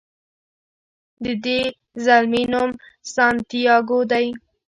د دې زلمي نوم سانتیاګو دی.